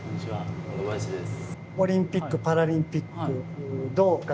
小野林です。